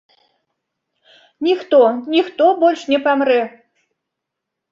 Ніхто, ніхто больш не памрэ!